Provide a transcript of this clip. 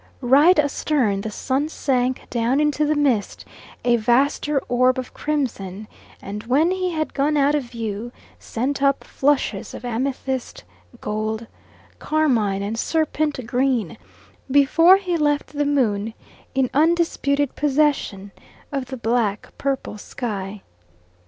Right astern, the sun sank down into the mist, a vaster orb of crimson, and when he had gone out of view, sent up flushes of amethyst, gold, carmine and serpent green, before he left the moon in undisputed possession of the black purple sky.